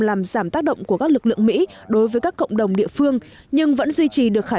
làm giảm tác động của các lực lượng mỹ đối với các cộng đồng địa phương nhưng vẫn duy trì được khả